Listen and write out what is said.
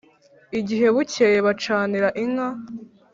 Igihe bukeye bacanira inka